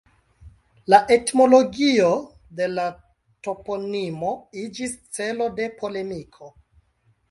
La etimologio de la toponimo iĝis celo de polemiko.